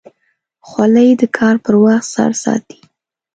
خولۍ د کار پر وخت سر ساتي.